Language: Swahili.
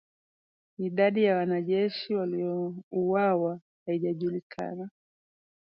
Idadi ya wanajeshi waliouawa haijajulikana